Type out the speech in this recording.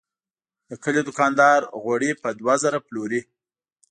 د کلي دوکاندار غوړي په دوه زره پلوري.